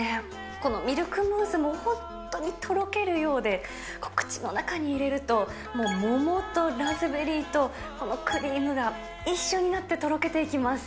このミルクムースも本当にとろけるようで、口の中に入れると、もう桃とラズベリーと、このクリームが一緒になってとろけていきます。